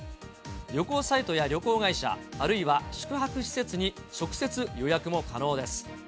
旅行サイトや旅行会社、あるいは宿泊施設に直接予約も可能です。